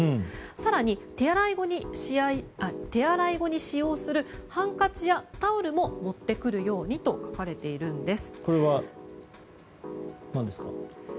更に、手洗い後に使用するハンカチやタオルも持ってくるようにと書かれているんです。